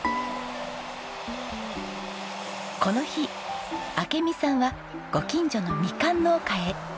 この日明美さんはご近所のみかん農家へ。